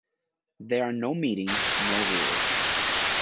There are no meetings, no rules.